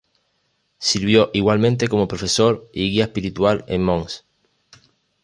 Sirvió igualmente como profesor y guía espiritual en Mons.